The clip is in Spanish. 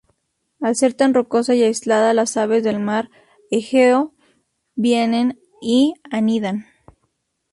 Al ser tan rocosa y aislada, las aves del Mar Egeo vienen y anidan.